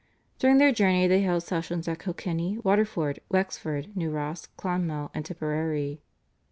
During their journey they held sessions at Kilkenny, Waterford, Wexford, New Ross, Clonmel, and Tipperary.